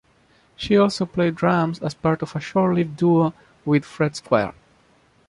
She also played drums as part of a short-lived duo with Fred Squire.